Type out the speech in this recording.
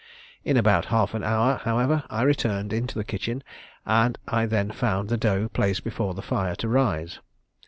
In about half an hour, however, I returned into the kitchen, and I then found the dough placed before the fire to rise.